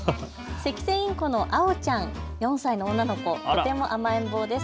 セキセイインコのアオちゃん、４歳の女の子、とても甘えん坊です。